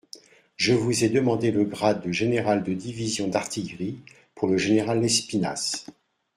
Je vous ai demandé le grade de général de division d'artillerie pour le général Lespinasse.